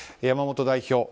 山本代表。